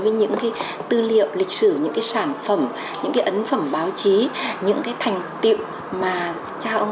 và tiến tới bảo tàng